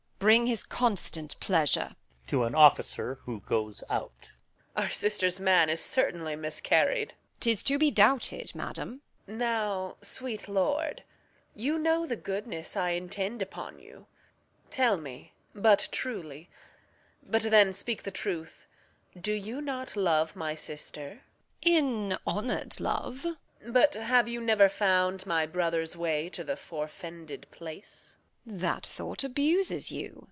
Bring his constant pleasure. [Exit an Officer.] Reg. Our sister's man is certainly miscarried. Edm. Tis to be doubted, madam. Reg. Now, sweet lord, You know the goodness I intend upon you. Tell me but truly but then speak the truth Do you not love my sister? Edm. In honour'd love. Reg. But have you never found my brother's way To the forfended place? Edm. That thought abuses you.